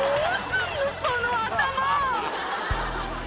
どうすんの、その頭！